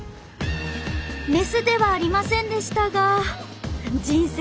メスではありませんでしたが人生